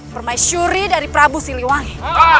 permaisuri dari prabu siliwangi